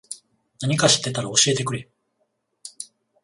なにか知ってたら教えてくれ。